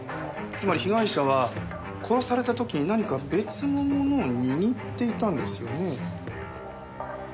つまり被害者は殺された時に何か別のものを握っていたんですよね。